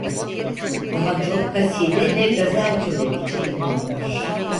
Daha çok kaside ve gazel türleri için kullanılır.